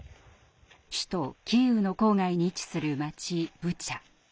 首都キーウの郊外に位置する町ブチャ。